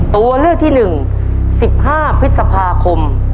ตัวเลือกที่หนึ่งสิบห้าพฤษภาคม